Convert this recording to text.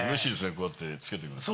こうやって着けてくれると。